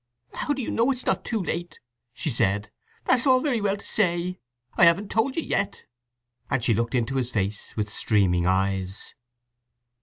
"How do you know it is not too late?" she said. "That's all very well to say! I haven't told you yet!" and she looked into his face with streaming eyes.